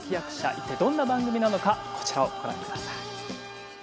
一体どんな番組なのかこちらをご覧ください。